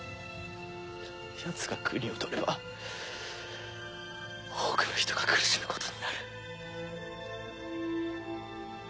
奴が国を盗れば多くの人が苦しむことになる。